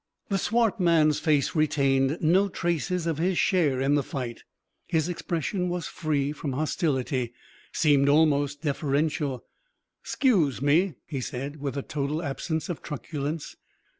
The swart man's face retained no traces of his share in the fight; his expression was free from hostility seemed almost deferential. "'Scuse me," he said, with a total absence of truculence.